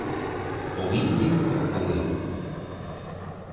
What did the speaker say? Ou Íñigo ou eu.